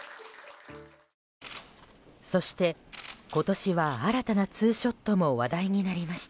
そして、今年は新たなツーショットも話題になりました。